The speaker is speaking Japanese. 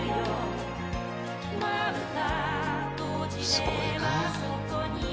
すごいなあ。